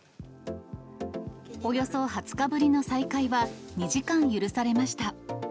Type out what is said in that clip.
およそ２０日ぶりの再会は２時間許されました。